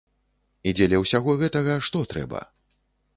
А дзеля ўсяго гэтага што трэба?